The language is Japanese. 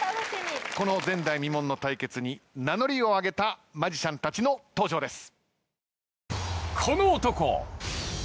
この前代未聞の対決に名乗りを上げたマジシャンたちの登場です。